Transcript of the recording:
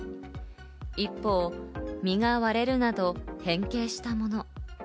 一方、実が割れるなど変形したもの。